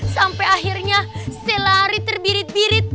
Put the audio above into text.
sampai akhirnya saya lari terbirit birit